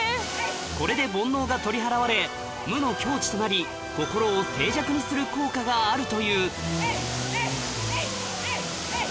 これで煩悩が取り払われ無の境地となり効果があるというエイ！